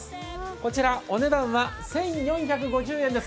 こちらお値段は１４５０円です。